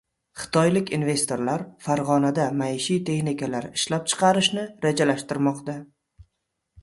Xitoylik investorlar Farg‘onada maishiy texnikalar ishlab chiqarishni rejalashtirmoqda